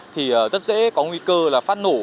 thì rất dễ có nguy cơ là phát nổ